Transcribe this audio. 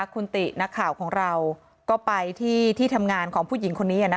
คุณตินักข่าวของเราก็ไปที่ที่ทำงานของผู้หญิงคนนี้